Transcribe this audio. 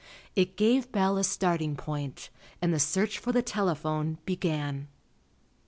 It gave Bell a starting point, and the search for the telephone began.